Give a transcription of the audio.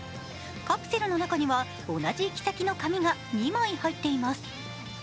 カプセルの中には同じ行き先の紙が２枚入っています。